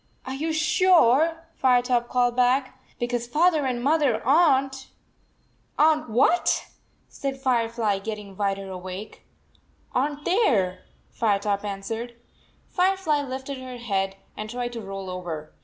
"Are you sure?" Firetop called back; "because Father and Mother are n t." "Are n t what? " said Firefly, getting wider awake. "Are n t there," Firetop answered. Firefly lifted her head and tried to roll over.